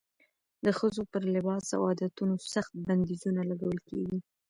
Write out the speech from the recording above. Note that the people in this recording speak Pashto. د ښځو پر لباس او عادتونو سخت بندیزونه لګول کېږي.